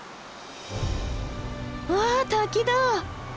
わあ滝だ！